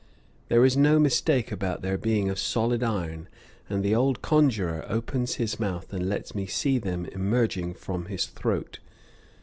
There is no mistake about their being of solid iron, and the old conjurer opens his mouth and lets me see them emerging from his throat.